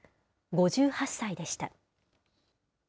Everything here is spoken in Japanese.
５８歳でした。